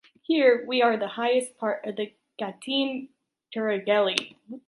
Here, we are in the highest part of the Gâtine Tourangelle.